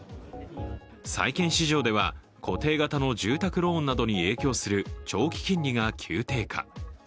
債券市場では固定型の住宅ローンなどに影響する長期金利が急低下。